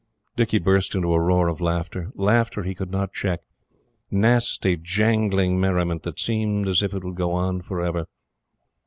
Dicky burst into a roar of laughter laughter he could not check nasty, jangling merriment that seemed as if it would go on forever.